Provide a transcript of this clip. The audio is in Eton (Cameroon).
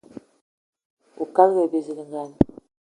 Oukalga aye bizilgan.